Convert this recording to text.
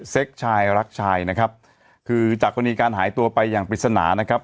ชายรักชายนะครับคือจากกรณีการหายตัวไปอย่างปริศนานะครับ